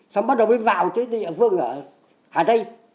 xong bắt đầu mới vào tới địa phương ở hà tây